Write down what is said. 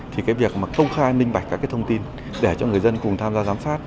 thì cái việc mà công khai minh bạch các cái thông tin để cho người dân cùng tham gia giám sát